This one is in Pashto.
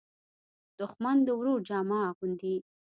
دښمن د ورور جامه اغوندي